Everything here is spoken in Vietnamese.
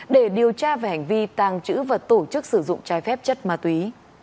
để điều tra về hành vi tàng trữ và tổ chức sử dụng trái phép chất ma túy